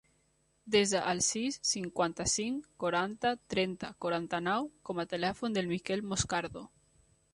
Desa el sis, cinquanta-cinc, quaranta, trenta, quaranta-nou com a telèfon del Miquel Moscardo.